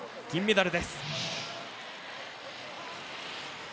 銀メダルです。